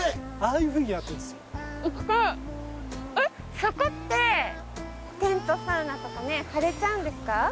えっそこってテントサウナとかね張れちゃうんですか？